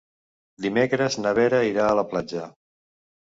Dimecres na Vera irà a la platja.